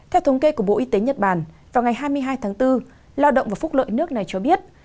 theo thống kê của bộ y tế nhật bản vào ngày hai mươi hai tháng bốn lao động và phúc lợi nước này cho biết